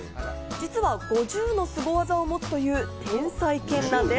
実は５０のすご技を持つという天才犬なんです。